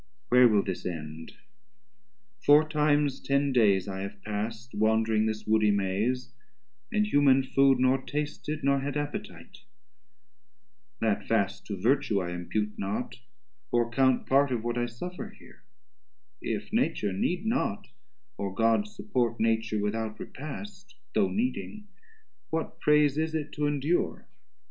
Where will this end? four times ten days I have pass'd Wandring this woody maze, and humane food Nor tasted, nor had appetite: that Fast To Vertue I impute not, or count part Of what I suffer here; if Nature need not, Or God support Nature without repast 250 Though needing, what praise is it to endure?